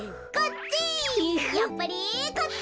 やっぱりこっち！